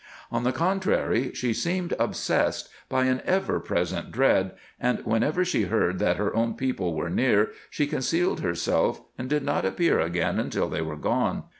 On the contrary, she seemed obsessed by an ever present dread, and whenever she heard that her own people were near she concealed herself and did not appear again until they were gone.